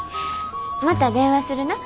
また電話するな。